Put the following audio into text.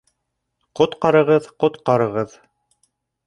— Ҡотҡарығыҙ, ҡотҡарығыҙ!